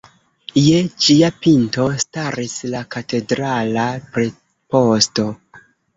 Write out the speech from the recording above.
Je ĝia pinto staris la katedrala preposto.